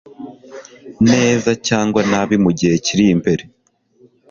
neza cyangwa nabi mu gihe kiri imbere